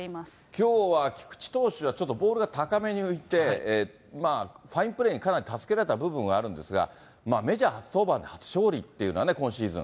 きょうは菊池投手はちょっとボールが高めに浮いて、まあ、ファインプレーにかなり助けられた部分はあるんですが、メジャー初登板で初勝利っていうのがね、今シーズン。